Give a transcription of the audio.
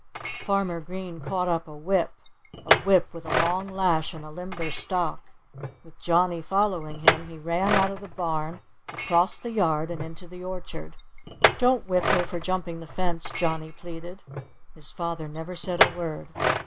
Farmer Green caught up a whip a whip with a long lash and a limber stock. With Johnnie following him he ran out of the barn, across the yard, and into the orchard. "Don't whip her for jumping the fence!" Johnnie pleaded. His father never said a word.